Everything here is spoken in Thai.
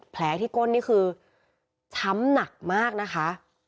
แผลที่ก้นนี่คือช้ำหนักมากนะคะ